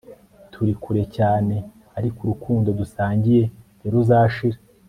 turi kure cyane, ariko urukundo dusangiye ntiruzashira